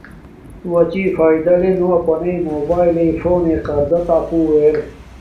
تو اڅی فاݵد لے نو اپنݵ موبایل فون نݵ قرضہ تا اپو ار